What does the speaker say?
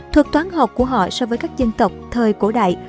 thuộc toán học của họ so với các dân tộc thời cổ đại